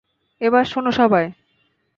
এবার, শোনো সবাই।